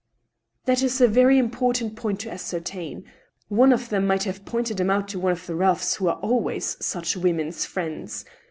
"That is a very important point to ascertain. One of them might have pointed him out to one of the roughs who are always such women's friends.